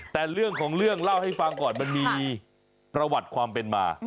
แต่เรื่องของเรื่องเล่าให้ฟังก่อนมันมีประวัติความเป็นมา